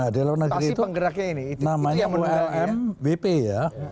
di luar negeri itu namanya ulmwp ya